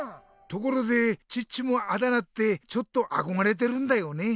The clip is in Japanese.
ところでチッチもあだ名ってちょっとあこがれてるんだよね。